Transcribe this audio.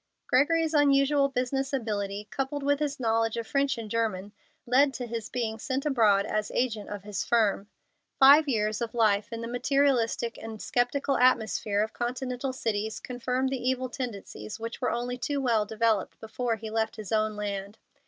Gregory's unusual business ability, coupled with his knowledge of French and German, led to his being sent abroad as agent of his firm. Five years of life in the materialistic and sceptical atmosphere of continental cities confirmed the evil tendencies which were only too well developed before he left his own land.